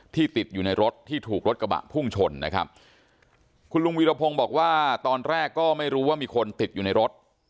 ติดอยู่ในรถที่ถูกรถกระบะพุ่งชนนะครับคุณลุงวีรพงศ์บอกว่าตอนแรกก็ไม่รู้ว่ามีคนติดอยู่ในรถ